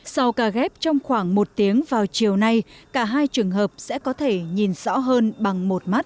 sau cả ghép trong khoảng một tiếng vào chiều nay cả hai trường hợp sẽ có thể nhìn sẵn